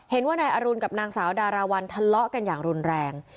เห็นว่านายอรุณกับนางสาวดาราวันทะเลาะกันอย่างรุนแรง